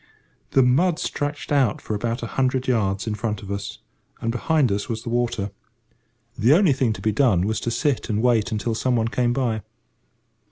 The mud stretched out for about a hundred yards in front of us, and behind us was the water. The only thing to be done was to sit and wait until someone came by.